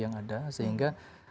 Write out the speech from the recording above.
yang ada sehingga